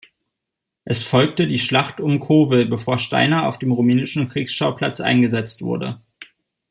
Es folgte die Schlacht um Kowel, bevor Steiner auf dem Rumänischen Kriegsschauplatz eingesetzt wurde.